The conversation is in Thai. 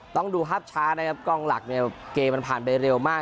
ต้องดูภาพช้านะครับกล้องหลักเนี่ยเกมมันผ่านไปเร็วมาก